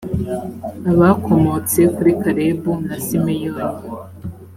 abakomotse kuri kalebu na simeyoni